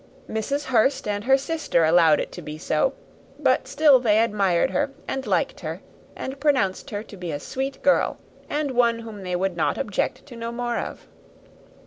Mrs. Hurst and her sister allowed it to be so; but still they admired her and liked her, and pronounced her to be a sweet girl, and one whom they should not object to know more of.